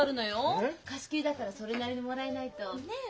貸し切りだからそれなりにもらえないとねえ？